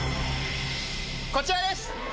こちらです！